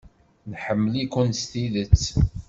Nḥemmel-ikem s tidet.